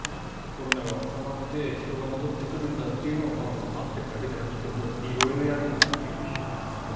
コロナが収まって人が戻ってくるんだというのを玉川さん待っているだけじゃなくて色々やるんだということですね。